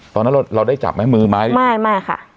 ตอนนั้นเราเราได้จับไหมมือไหมไม่ไม่ค่ะ